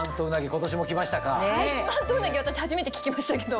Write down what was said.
私初めて聞きましたけど。